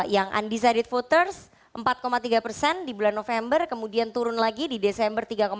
yang undecided voters empat tiga persen di bulan november kemudian turun lagi di desember tiga empat